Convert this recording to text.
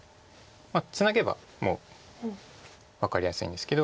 ツナげばもう分かりやすいんですけど。